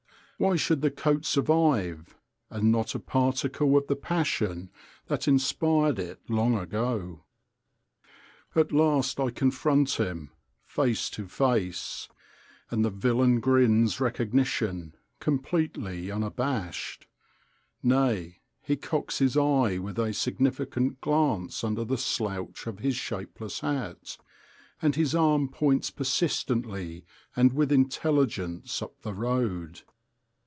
Why should the coat survive, and not a particle of the passion that inspired it long ago? At last I confront him, face to face: and the villain grins recognition, completely unabashed. Nay, he cocks his eye with a significant glance under the slouch of his shapeless hat, and his arm points persistently and with intelligence up the road.